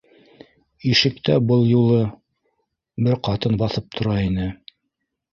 Ишектә был юлы бер ҡатын баҫып тора ине